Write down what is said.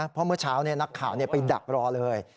เพราะเมื่อเช้านักข่าวไปดักรอเลย